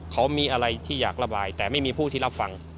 เขามีอะไรที่อยากระบายแต่ไม่มีผู้ที่รับฟัง